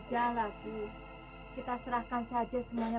kita serahkan saja semuanya